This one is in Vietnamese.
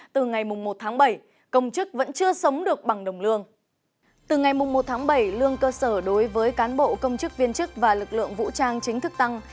từ ngày một tháng bảy lương cơ sở đối với cán bộ công chức viên chức và lực lượng vũ trang chính thức tăng